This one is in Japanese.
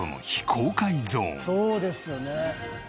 そうですよね。